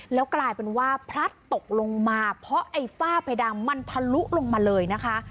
แล้วกลายเป็นว่าพลัดตกลงมาเพราะไอ้ฝ้าเพดานมันทะลุลงมาเลยนะคะ